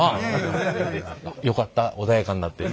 よかった穏やかになって。